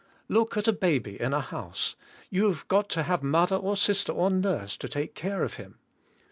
Look at a baby in a house, 3'ou have got to have mother or sister or nurse to take care of him.